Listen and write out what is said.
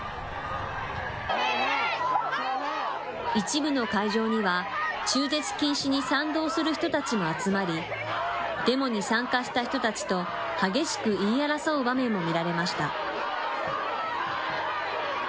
一部の会場には、中絶禁止に賛同する人たちも集まり、デモに参加した人たちと激しく言い争う場面も見られました。